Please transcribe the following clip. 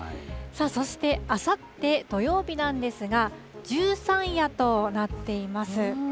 そして、あさって土曜日なんですが、十三夜となっています。